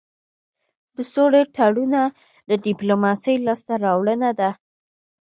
د سولې تړونونه د ډيپلوماسی لاسته راوړنه ده.